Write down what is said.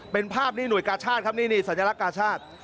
เป็นภาพนี่หน่วยกาชาติครับนี่สัญลักษณ์กาชาติ